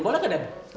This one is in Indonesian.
boleh gak den